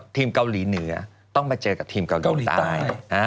ทีมเกาหลีเหนือต้องมาเจอกับทีมเกาหลีใต้